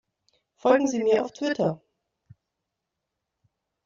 Folgen Sie mir auf Twitter!